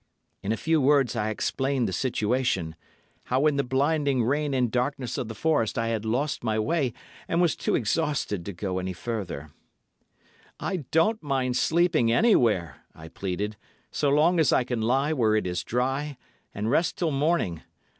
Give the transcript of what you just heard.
In a few words I explained the situation—how in the blinding rain and darkness of the forest I had lost my way, and was too exhausted to go any further. 'I don't mind sleeping anywhere,' I pleaded, 'so long as I can lie where it is dry and rest till morning.